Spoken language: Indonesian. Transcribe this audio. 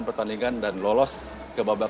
pertandingan dan lolos ke babak